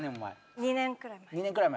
２年くらい前？